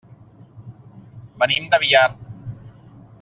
Venim de Biar.